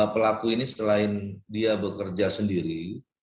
pelaku ini selain dia bekerja sendiri